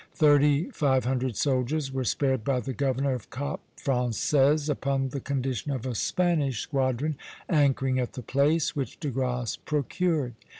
Thirty five hundred soldiers were spared by the governor of Cap Français, upon the condition of a Spanish squadron anchoring at the place, which De Grasse procured.